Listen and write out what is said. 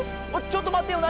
ちょっとまってよ